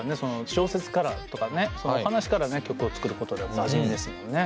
小説からとかねお話からね曲を作ることでおなじみですもんね。